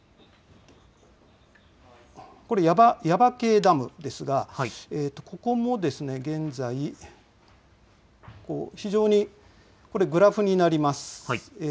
これ、耶馬渓ダムですが、ここも現在、非常に、これ、グラフになります。